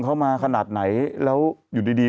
เขามาขนาดไหนแล้วอยู่ดีดี